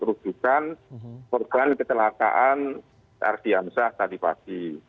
dan menurunkan perkembangan kecelakaan r d amsah tadi pagi